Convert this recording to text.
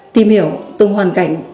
tìm hiểu từng hoàn cảnh